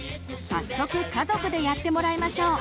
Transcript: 早速家族でやってもらいましょう！